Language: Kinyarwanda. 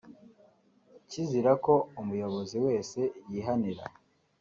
kizira ko umuyobozi wese yihanira